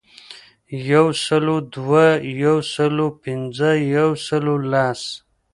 یو سلو دوه، یو سلو پنځه ،یو سلو لس .